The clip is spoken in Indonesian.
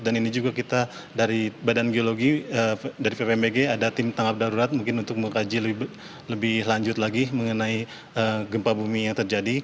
dan ini juga kita dari badan geologi dari ppmbg ada tim tanggal darurat mungkin untuk mengkaji lebih lanjut lagi mengenai gempa bumi yang terjadi